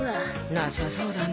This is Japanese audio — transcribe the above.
なさそうだね。